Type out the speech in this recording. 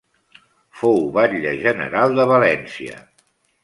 Fou batlle general de València.